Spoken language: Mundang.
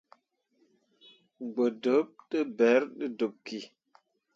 Gbǝ dǝb ne ɓerri te dǝɓ ki.